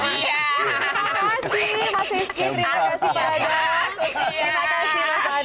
mas hizky terima kasih banyak